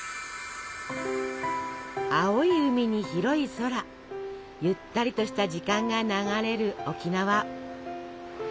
青い海に広い空ゆったりとした時間が流れる沖縄。